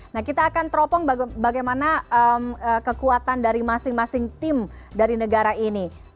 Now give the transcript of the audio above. nah kita akan teropong bagaimana kekuatan dari masing masing tim dari negara ini